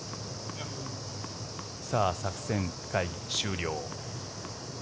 さあ、作戦会議終了。